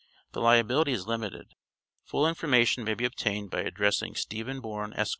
The liability is limited. Full information may be obtained by addressing Stephen Bourne, Esq.